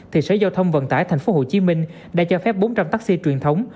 thì sở giao thông vận tải tp hcm đã cho phép bốn trăm linh taxi truyền thống